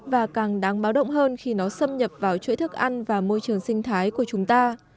và càng đáng báo động hơn khi nó xâm nhập vào chuỗi thức ăn và môi trường sinh thái của chúng ta